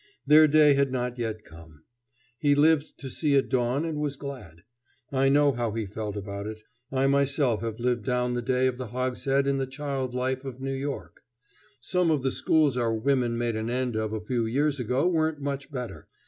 Their day had not yet come. He lived to see it dawn and was glad. I know how he felt about it. I myself have lived down the day of the hogshead in the child life of New York. Some of the schools our women made an end of a few years ago weren't much better.